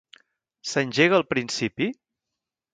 S'engega al principi?